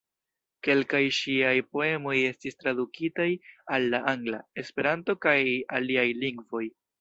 Kelkaj ŝiaj poemoj estis tradukitaj al la angla, Esperanto kaj aliaj lingvoj.